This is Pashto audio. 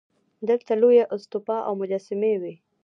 دلته لویه استوپا او مجسمې وې